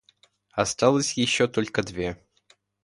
Осталось ещё только две.